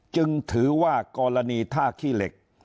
จึงถือว่ากรณีท่าขี้เหล็ก